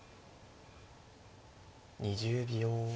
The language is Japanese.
２０秒。